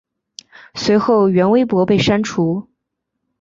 随后原微博被删除。